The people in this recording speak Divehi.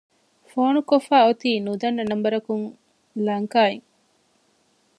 ފޯނުކޮށްފައި އޮތީ ނުދަންނަ ނަންބަރަކުން ލަންކާއިން